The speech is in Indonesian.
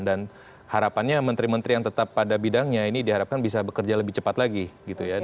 dan harapannya menteri menteri yang tetap pada bidangnya ini diharapkan bisa bekerja lebih cepat lagi gitu ya